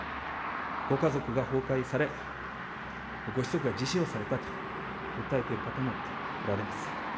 ご家族が崩壊され、ご子息が自死をされたと訴えている方もおられます。